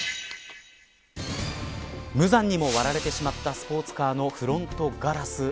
無残にも割られてしまったスポーツカーのフロントガラス